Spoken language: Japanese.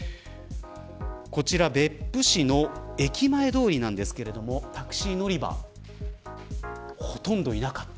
こちら別府市の駅前通りなんですがタクシー乗り場ほとんどいなかった。